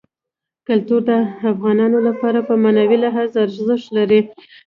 کلتور د افغانانو لپاره په معنوي لحاظ ارزښت لري.